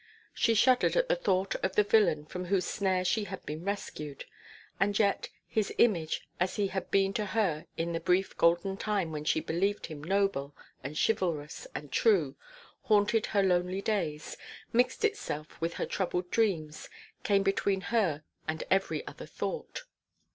She shuddered at the thought of the villain from whose snare she had been rescued: and yet, his image as he had been to her in the brief golden time when she believed him noble, and chivalrous, and true, haunted her lonely days, mixed itself with her troubled dreams, came between her and every other thought.